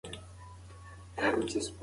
امیر کروړ په ملي اوزانو ویاړنې لیکلې دي.